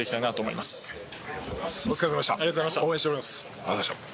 ありがとうございます。